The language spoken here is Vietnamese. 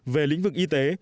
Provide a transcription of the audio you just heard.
về lĩnh vực y tế